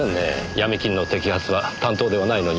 ヤミ金の摘発は担当ではないのに。